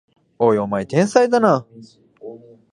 おい、お前天才だな！